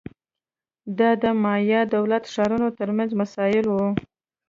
دا د مایا دولت ښارونو ترمنځ مسایل وو